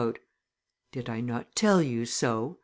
"Did not I tell you so?"